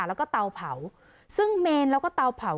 แล้วก็เตาเผาซึ่งเมนแล้วก็เตาเผา